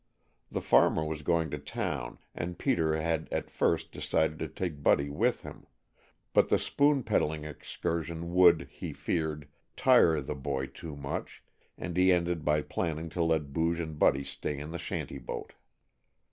The farmer was going to town and Peter had at first decided to take Buddy with him, but the spoon peddling excursion would, he feared, tire the boy too much, and he ended by planning to let Booge and Buddy stay in the shanty boat.